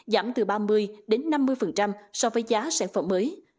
giảm từ ba mươi đến năm mươi so với giá sản phẩm mới